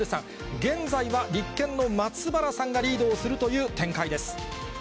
現在は立憲の松原さんがリードをするという展開です。